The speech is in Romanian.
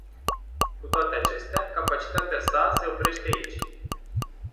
Cu toate acestea, capacitatea sa se oprește aici.